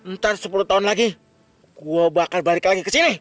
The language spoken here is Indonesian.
ntar sepuluh tahun lagi gua bakal balik lagi kesini